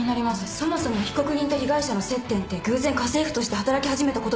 そもそも被告人と被害者の接点って偶然家政婦として働き始めたことだけなのかな。